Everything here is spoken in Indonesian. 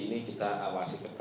ini kita awasi betul